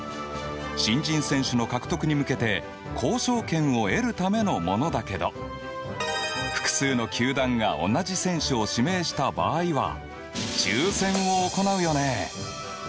新人選手の獲得に向けて交渉権を得るためのものだけど複数の球団が同じ選手を指名した場合は抽選を行うよね。